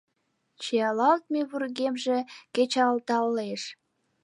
- Чиялалме вургемже кечалталеш.